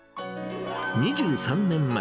２３年前、